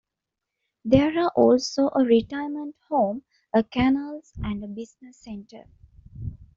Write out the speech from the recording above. There are also a retirement home, a kennels and a business centre.